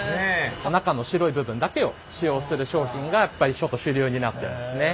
中の白い部分だけを使用する商品がやっぱり主流になってますね。